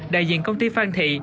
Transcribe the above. đại diện công ty phan thị